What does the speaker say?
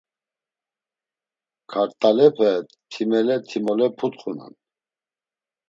Kart̆alepe timele timole putxunan.